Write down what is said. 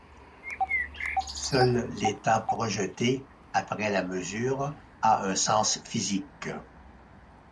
Seul l'état projeté, après la mesure, a un sens physique.